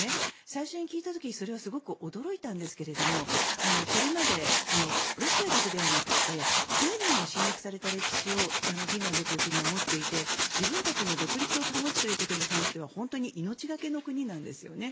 最初に聞いた時にそれはすごく驚いたんですがこれまでロシアだけではなくてスウェーデンにも侵略された歴史をフィンランドという国は持っていて自分たちの独立を保つということに関しては本当に命がけの国なんですね。